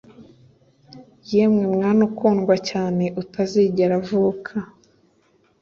Yemwe mwana ukundwa cyane utazigera avuka